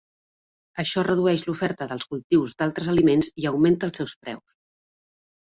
Això redueix l'oferta dels cultius d'altres aliments i augmenta els seus preus.